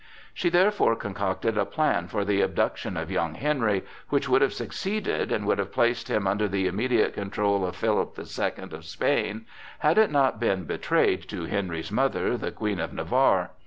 She therefore concocted a plan for the abduction of young Henry, which would have succeeded and would have placed him under the immediate control of Philip the Second of Spain, had it not been betrayed to Henry's mother, the Queen of Navarre.